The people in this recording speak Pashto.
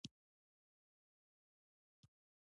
دوکاندار د ټولنې یو ریښتینی غړی دی.